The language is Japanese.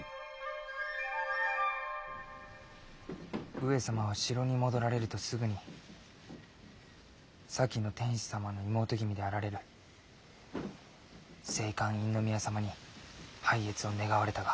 上様は城に戻られるとすぐに先の天子様の妹君であられる静寛院宮様に拝謁を願われたが。